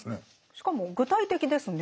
しかも具体的ですね。